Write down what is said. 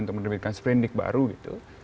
untuk menerbitkan sprindik baru gitu